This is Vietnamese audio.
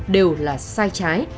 đều là sai trái